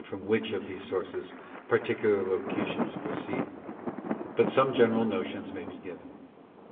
from which of these sources particular locutions proceed, but some general notions may be given.